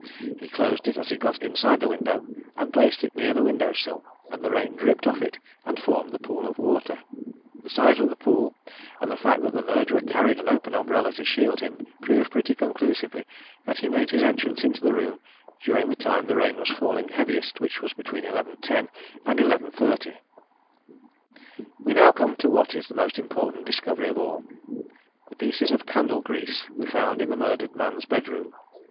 He closed it as he got inside the window, and placed it near the window sill, and the rain dripped off it and formed the pool of water. The size of the pool, and the fact that the murderer carried an open umbrella to shield him, prove pretty conclusively that he made his entrance into the room during the time the rain was falling heaviest which was between 11.10 p.m. and 11.30. "We now come to what is the most important discovery of all the pieces of candle grease we found in the murdered man's bedroom.